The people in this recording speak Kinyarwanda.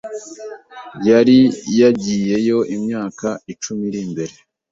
Yari yagiyeyo imyaka icumi mbere.